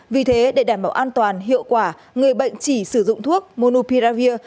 vì thế để đảm bảo an toàn hiệu quả người bệnh chỉ sử dụng thuốc monupiravir